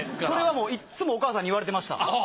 それはもういっつもお母さんに言われてました。